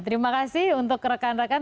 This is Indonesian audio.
terima kasih untuk rekan rekan